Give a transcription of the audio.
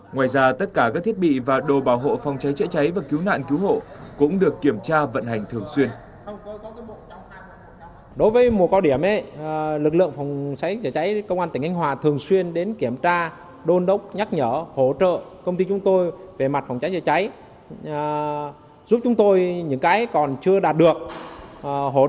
ngoài ra tất cả các thiết bị và đồ bảo hộ phòng cháy chữa cháy và cứu nạn cứu hộ